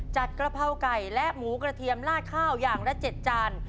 กระเพราไก่และหมูกระเทียมลาดข้าวอย่างละ๗จาน